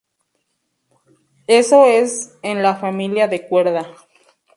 Eso es en la familia de cuerda.